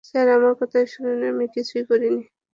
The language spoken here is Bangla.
স্যার, আমার কথা শুনুন, আমি কিছুই করিনি।